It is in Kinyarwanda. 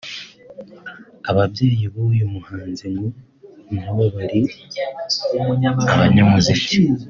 Ababyeyi b’uyu muhanzi ngo na bo bari abanyamuziki